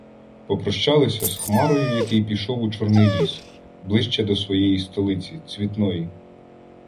Попрощалися з Хмарою, який пішов у Чорний ліс, ближче до своєї "столиці" — Цвітної.